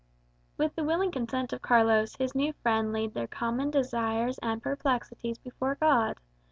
With the willing consent of Carlos, his new friend laid their common desires and perplexities before God.